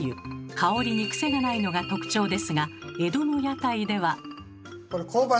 香りにクセがないのが特徴ですが江戸の屋台では。